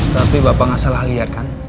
tapi bapak nggak salah lihat kan